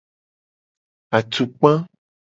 Atukpa.